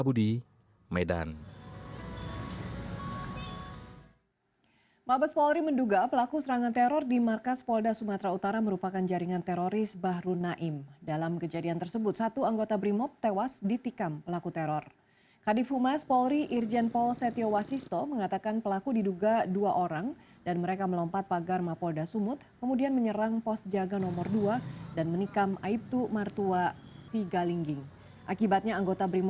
berita terkini dari medan